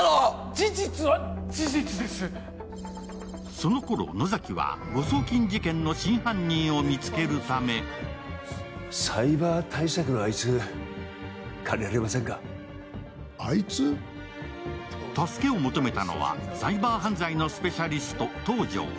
そのころ、野崎は誤送金事件の真犯人を見つけるため助けを求めたのは、サイバー犯罪のスペシャリスト、東条。